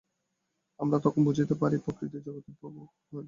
আমরা তখন বুঝিতে পারি, প্রকৃতি জগতের প্রভু নয়।